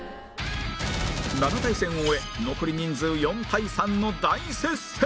７対戦を終え残り人数４対３の大接戦！